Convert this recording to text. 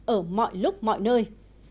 ở mọi lúc mọi nơi